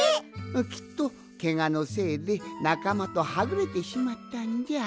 きっとケガのせいでなかまとはぐれてしまったんじゃ。